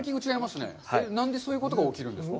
何でそういうことが起きるんですか。